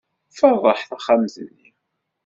Feṛṛeḥ taxxamt-nni.